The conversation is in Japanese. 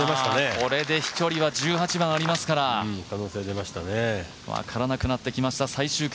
これで飛距離は１８番ありますから分からなくなってきました最終組。